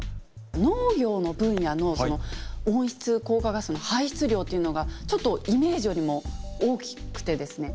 農業の分野の温室効果ガスの排出量というのがちょっとイメージよりも大きくてですね。